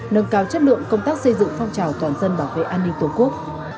nâng cao chất lượng công tác xây dựng phong trào toàn dân bảo vệ an ninh tổ quốc